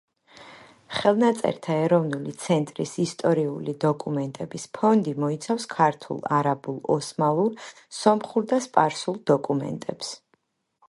ხელნაწერთა ეროვნული ცენტრის ისტორიული დოკუმენტების ფონდი მოიცავს ქართულ, არაბულ, ოსმალურ, სომხურ და სპარსულ დოკუმენტებს.